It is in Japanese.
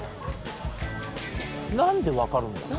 何で分かるんだ？